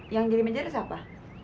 yang jadi manajer siapa